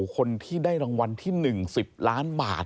คนที่ได้รางวัลที่๑๐ล้านบาท